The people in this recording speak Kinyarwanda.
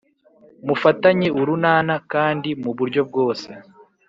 mufatanye urunana kandi mu buryo bwose